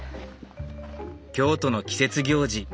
京都の季節行事